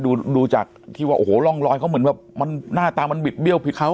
ดูดูจากที่ว่าโอ้โหร่องรอยเขาเหมือนแบบมันหน้าตามันบิดเบี้ยผิดเขา